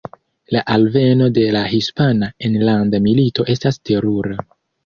La alveno de la Hispana Enlanda Milito estas terura.